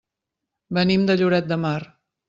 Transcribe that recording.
Venim de Lloret de Mar.